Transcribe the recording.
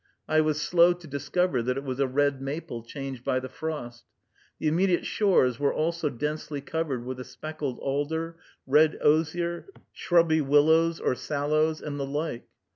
I was slow to discover that it was a red maple changed by the frost. The immediate shores were also densely covered with the speckled alder, red osier, shrubby willows or sallows, and the like.